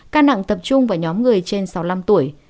ca nặng tập trung vào nhóm người trên sáu mươi năm tuổi